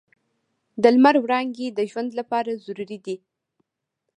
د لمر وړانګې د ژوند لپاره ضروري دي.